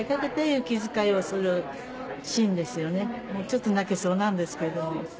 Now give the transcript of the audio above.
ちょっと泣けそうなんですけど。